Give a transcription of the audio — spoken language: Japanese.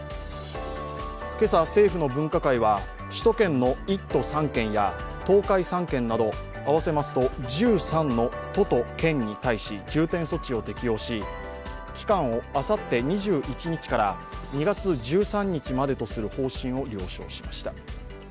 今朝、政府の分科会は首都圏の１都３県や東海３県など合わせて１３の都と県に対し重点措置を適用し、期間をあさって２１日から２月１３日までとする方針を了承しました。